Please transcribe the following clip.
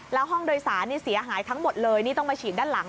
แล้วห้องโดยสารเสียหายทั้งหมดเลยนี่ต้องมาฉีดด้านหลัง